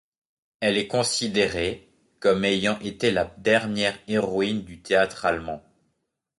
Elle est considérée comme ayant été la dernière héroïne du théâtre allemand.